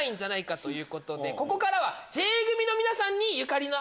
ここからは。